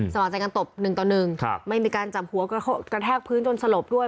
สมัครใจกันตบ๑ต่อ๑ไม่มีการจับหัวกระแทกพื้นจนสลบด้วย